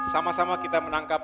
sama sama kita menangkap